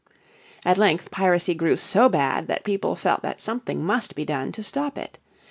At length piracy grew so bad that people felt that something must be done to stop it.